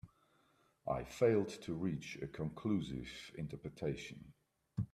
I failed to reach a conclusive interpretation.